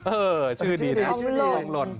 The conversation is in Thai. เออชื่อดีนะชื่อทองหล่น